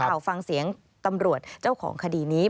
เอาฟังเสียงตำรวจเจ้าของคดีนี้